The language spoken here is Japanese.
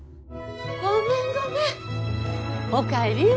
ごめんごめん。